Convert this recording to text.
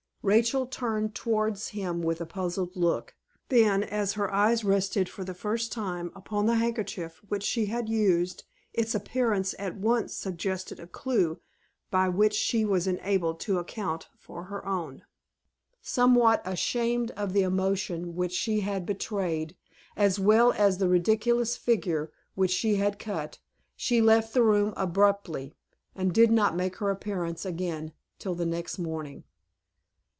Rachel turned towards him with a puzzled look. Then, as her eyes rested, for the first time, upon the handkerchief which she had used, its appearance at once suggested a clew by which she was enabled to account for her own. Somewhat ashamed of the emotion which she had betrayed, as well as the ridiculous figure which she had cut, she left the room abruptly, and did not make her appearance again till the next morning.